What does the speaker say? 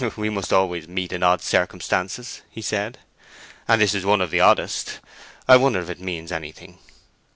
"We must always meet in odd circumstances," he said; "and this is one of the oddest. I wonder if it means anything?"